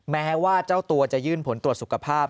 แม้ว่าเจ้าตัวจะยื่นผลตรวจสุขภาพ